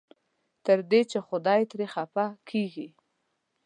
تر دې چې خدای ترې خفه کېږي.